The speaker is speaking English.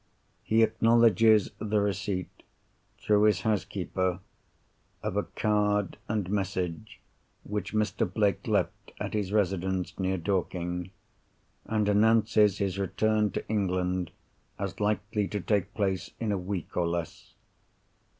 He acknowledges the receipt (through his housekeeper) of a card and message which Mr. Blake left at his residence near Dorking, and announces his return to England as likely to take place in a week or less.